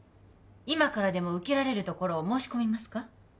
今からでも受けられるところを申し込みますか？